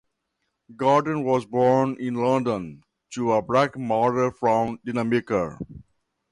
Goddard was born in London, to a black mother from Dominica.